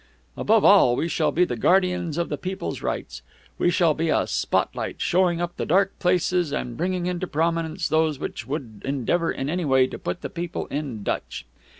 Above all, we shall be the guardians of the people's rights. We shall be a spot light, showing up the dark places and bringing into prominence those who would endeavor in any way to put the people in Dutch.